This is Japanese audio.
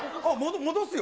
戻すよ。